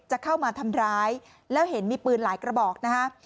จะเข้ามาทำร้ายแล้วเห็นมีปืนหลายกระบอกนะฮะ